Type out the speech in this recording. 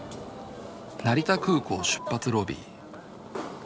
成田空港出発ロビー。